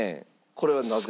これはなぜ？